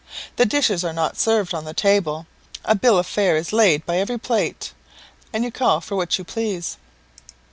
The dishes are not served on the table; a bill of fare is laid by every plate, and you call for what you please.